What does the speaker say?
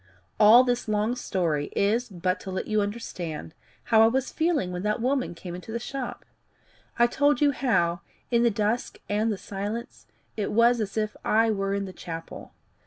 All this long story is but to let you understand how I was feeling when that woman came into the shop. I told you how, in the dusk and the silence, it was as if I were in the chapel.